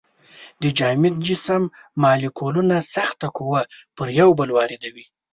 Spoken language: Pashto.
د جامد جسم مالیکولونه سخته قوه پر یو بل واردوي.